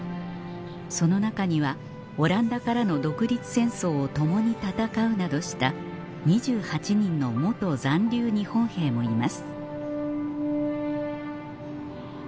その中にはオランダからの独立戦争を共に戦うなどした２８人の残留日本兵もいます